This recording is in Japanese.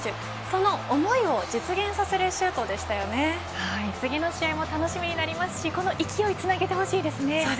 その思いを実現させる次の試合も楽しみになりますしこの勢いつなげてほしいですね。